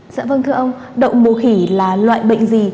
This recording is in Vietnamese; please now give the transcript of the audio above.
dạ vâng thưa ông đậu mùa khỉ là loại bệnh gì